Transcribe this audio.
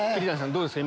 どうですか？